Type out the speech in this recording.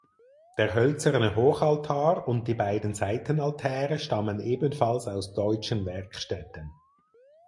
Der hölzerne Hochaltar und die beiden Seitenaltäre stammen ebenfalls aus deutschen Werkstätten.